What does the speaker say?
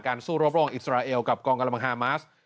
สู้รบรองอิสราเอลกับกองกำลังฮามาส